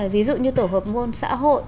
ví dụ như tổ hợp môn xã hội